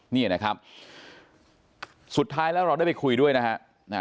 นี่นะครับสุดท้ายแล้วเราได้ไปคุยด้วยนะฮะ